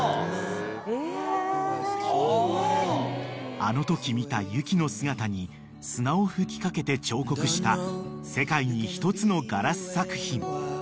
［あのとき見た雪の姿に砂を吹き掛けて彫刻した世界に一つのガラス作品］